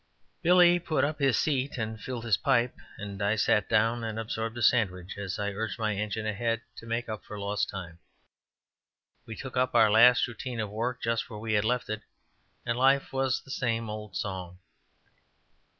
Billy put up his seat and filled his pipe, and I sat down and absorbed a sandwich as I urged my engine ahead to make up for lost time; we took up our routine of work just where we had left it, and life was the same old song.